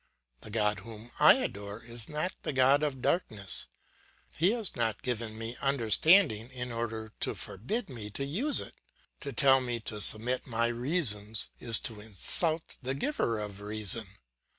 The God whom I adore is not the God of darkness, he has not given me understanding in order to forbid me to use it; to tell me to submit my reason is to insult the giver of reason.